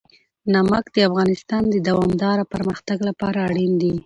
نمک د افغانستان د دوامداره پرمختګ لپاره اړین دي.